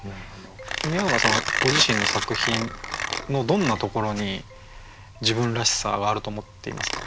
宮永さんはご自身の作品のどんなところに自分らしさはあると思っていますか？